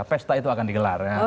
pesta itu akan digelar